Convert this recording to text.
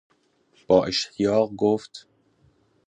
با اشتیاق گفت